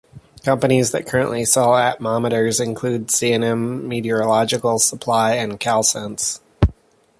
Companies that currently sell atmometers include C and M Meteorological Supply and Calsense.